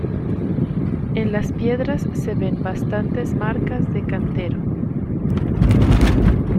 En las piedras se ven bastantes marcas de cantero.